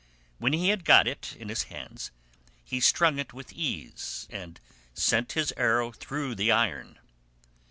When he had got it in his hands he strung it with ease and sent his arrow through the iron.